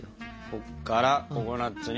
こっからココナツに。